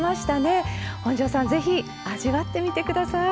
本上さん是非味わってみて下さい。